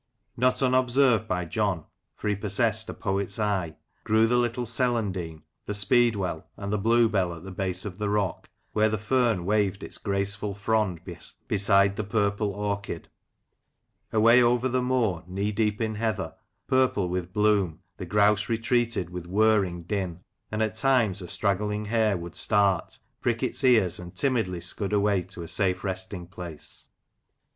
Not unobserved by John, for he possessed a poet's eye, grew the little celandine, the speedwell, and the bluebell at the base of the rock, where the fern waved its graceful frond beside the purple orchid. Away over the moor, knee deep in heather, purple with bloom, the grouse retreated with whirring din ; and at times a straggling hare would start, prick its ears, and timidly scud away to a safe resting place.